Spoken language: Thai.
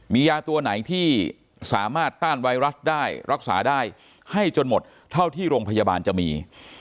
มียาตัวไหนที่สามารถต้านไวรัสได้รักษาได้ให้จนหมดเท่าที่โรงพยาบาลจะมี